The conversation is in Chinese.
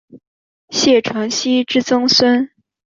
谢承锡之曾孙。